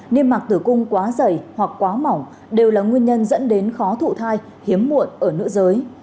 niêm mạc tử cung quá dày hoặc quá mỏng đều là nguyên nhân dẫn đến khó thụ thai hiếm muộn ở nữ giới